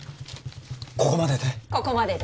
ここまでで？